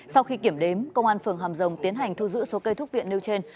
sau khi kiểm đếm công an phường hàm rồng tiến hành thu giữ số cây thúc viện nêu trên